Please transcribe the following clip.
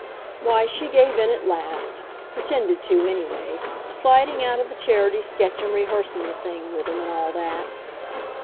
Why, she gave in at last; pretended to, anyway sliding out of the Charity sketch, and rehearsing the thing with him, and all that.